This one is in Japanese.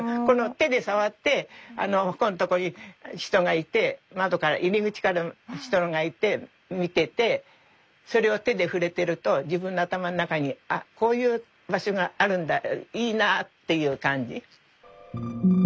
手で触ってここんとこに人がいて窓から入り口から人がいて見ててそれを手で触れてると自分の頭の中にあこういう場所があるんだいいなっていう感じ。